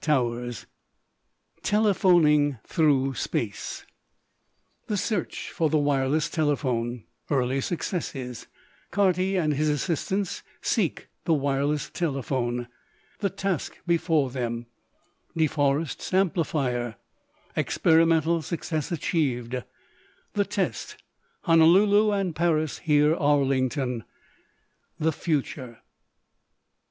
XX TELEPHONING THROUGH SPACE The Search for the Wireless Telephone Early Successes Carty and His Assistants Seek the Wireless Telephone The Task Before Them De Forest's Amplifier Experimental Success Achieved The Test Honolulu and Paris Hear Arlington The Future.